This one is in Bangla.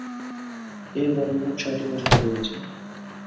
এ গণে মোট ছয়টি প্রজাতি রয়েছে।